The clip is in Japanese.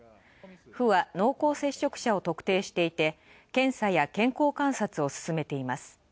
府は、濃厚接触者を特定していて検査や健康観察を進めています。